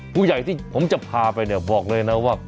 ผู้ใหญ่ที่ผมจะพาไปเนี่ยบอกเลยนะว่า